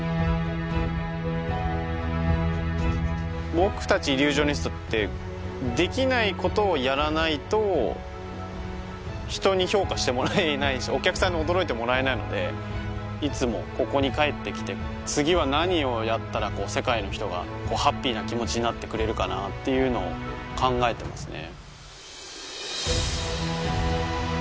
僕達イリュージョニストってできないことをやらないと人に評価してもらえないしお客さんに驚いてもらえないのでいつもここに帰ってきて次は何をやったら世界の人がハッピーな気持ちになってくれるかなっていうのを考えていますね